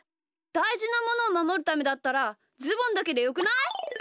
だいじなものをまもるためだったらズボンだけでよくない？